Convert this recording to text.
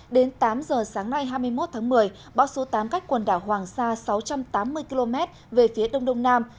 đến tám giờ sáng nay hai mươi một tháng một mươi bão số tám cách quần đảo hoàng sa sáu trăm tám mươi km về phía đông đông nam